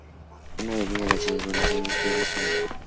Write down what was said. Una avenida de la ciudad de Buenos Aires lleva su nombre.